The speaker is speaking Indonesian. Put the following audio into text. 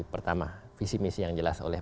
pertama visi misi yang jelas oleh